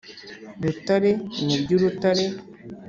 Rutare mu ry' i Rutare;